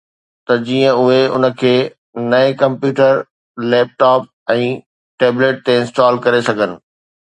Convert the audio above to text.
ته جيئن اهي ان کي نئين ڪمپيوٽر، ليپ ٽاپ ۽ ٽيبليٽ تي انسٽال ڪري سگهن